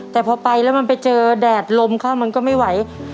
แต่พอไปแล้วมันไปเจอแดดลมเข้ามันก็ไม่ไหว